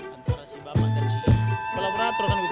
antara si bapak dan si yang kolaborator